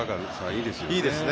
いいですね。